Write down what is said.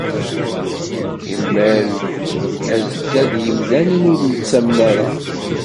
Imal d azekka n yimdanen ur nettamen ara.